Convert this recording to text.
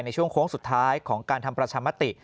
ในช่วงโค้งสุดท้ายของการทำประชามติ